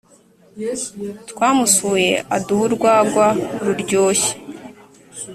Twamusuye aduha urwagwa ruryoshye